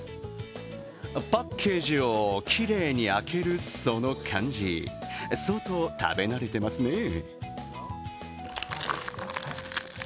パッケージをきれいに開けるその感じ、相当食べ慣れてますねぇ。